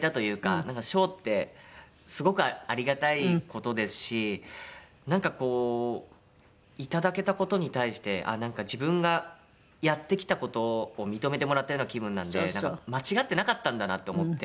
賞ってすごくありがたい事ですしなんかこういただけた事に対して自分がやってきた事を認めてもらったような気分なので間違ってなかったんだなって思って。